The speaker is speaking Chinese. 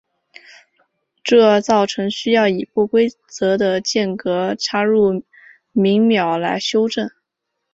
这造成需要以不规则的间隔插入闰秒来修正。